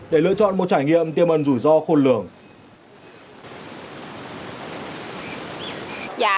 để lựa chọn một trải nghiệm tiêm ân rủi ro khôn lường